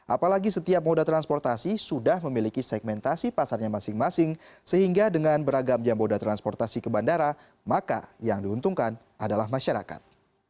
apalagi setiap moda transportasi sudah memiliki segmentasi pasarnya masing masing sehingga dengan beragam jam moda transportasi ke bandara maka yang diuntungkan adalah masyarakat